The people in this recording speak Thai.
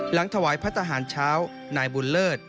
หลังถวายพัทธาหารเช้านายบุญเลิศ